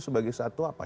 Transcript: sebagai satu apa